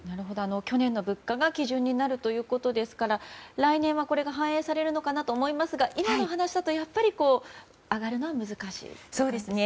去年の物価が基準になるということですから来年は反映されるのかなと思いますが今の話だとやっぱり上がるのは難しいんですね。